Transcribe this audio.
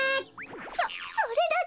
そそれだけ！？